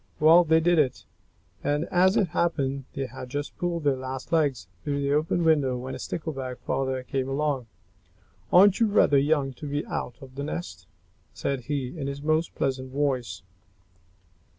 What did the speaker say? Well, they did it. And, as it happened, they had just pulled their last legs through the open doorway when a Stickleback Father came along. "Aren't you rather young to be out of the nest?" said he, in his most pleasant voice.